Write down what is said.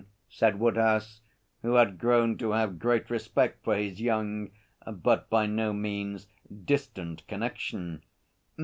said Woodhouse, who had grown to have great respect for his young but by no means distant connection.